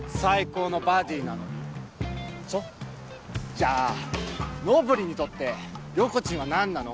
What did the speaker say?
じゃあのぶりんにとって涼子ちんは何なの？